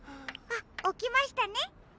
あっおきましたね。